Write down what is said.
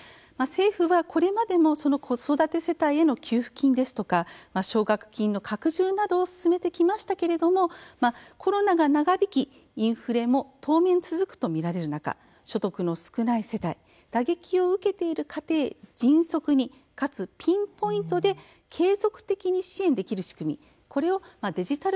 政府は、これまでも子育て世帯への給付金ですとか奨学金の拡充などを進めてきましたけれどもコロナが長引き、インフレも当面続くと見られる中所得の少ない世帯打撃を受けている家庭へ迅速にかつピンポイントで継続的に支援できる仕組み